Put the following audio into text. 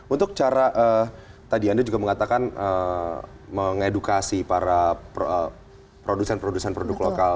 untuk cara tadi anda juga mengatakan mengedukasi para produsen produsen produk lokal